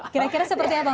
kira kira seperti apa mas